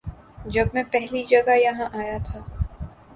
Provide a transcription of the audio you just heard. جب میں پہلی جگہ یہاں آیا تھا